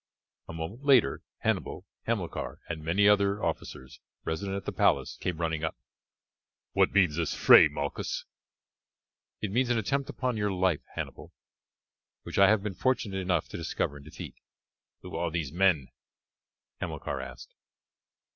A moment later Hannibal, Hamilcar, and many other officers resident at the palace came running up. "What means this fray, Malchus?" "It means an attempt upon your life, Hannibal, which I have been fortunate enough to discover and defeat." "Who are these men?" Hamilcar asked.